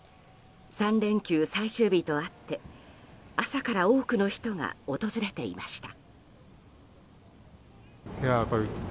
３連休最終日とあって朝から多くの人が訪れていました。